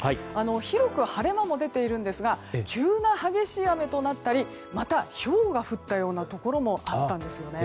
広く晴れ間も出ていますが急な激しい雨となったりまた、ひょうが降ったようなところもあったんです。